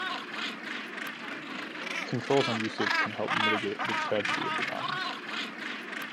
Controls on usage can help mitigate the tragedy of the commons.